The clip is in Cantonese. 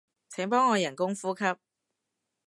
請幫我人工呼吸